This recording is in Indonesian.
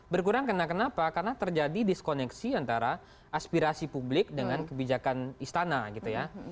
berkurang kenapa karena terjadi diskoneksi antara aspirasi publik dengan kebijakan istana gitu ya